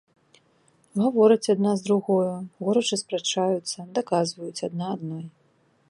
Гавораць адна з другою, горача спрачаюцца, даказваюць адна адной.